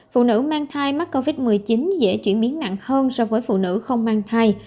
phụ nữ mang thai mắc covid một mươi chín dễ chuyển biến nặng hơn so với phụ nữ không mang thai